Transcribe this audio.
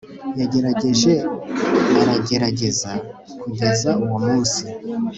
yagerageje aragerageza kugeza uwo munsi